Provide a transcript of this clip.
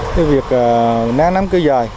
với việc nát nắm cơ giời